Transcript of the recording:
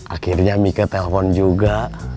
akhirnya mi ke telepon juga